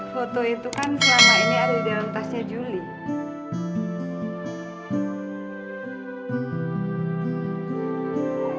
foto itu kan selama ini ada di dalam tasnya julie